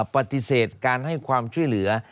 ปฏิเสธการให้ความช่วยเหลือ